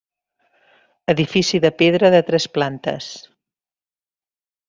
Edifici de pedra de tres plantes.